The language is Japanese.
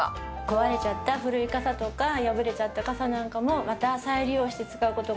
壊れちゃった古い傘とか破れちゃった傘なんかもまた再利用して使うことができるんです。